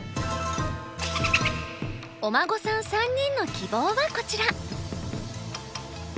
お孫さん３人の希望はこちら。